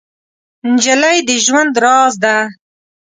نجلۍ د ژوند راز ده.